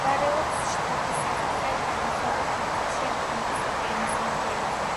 მდებარეობს შტატის სამხრეთ-აღმოსავლეთ ნაწილში, ატლანტის ოკეანის სანაპიროზე.